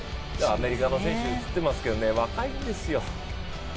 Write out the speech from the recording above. アメリカの選手、映ってますけど若いんですよ。